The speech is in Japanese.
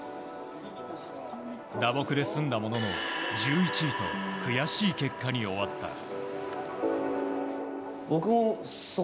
打撲で済んだものの１１位と悔しい結果に終わった。